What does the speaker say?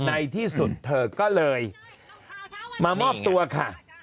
ในที่สุดเธอก็เลยมามอบตัวค่ะ